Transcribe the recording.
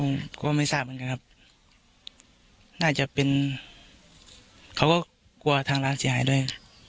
ผมก็ไม่ทราบเหมือนกันครับน่าจะเป็นเขาก็กลัวทางร้านเสียหายด้วย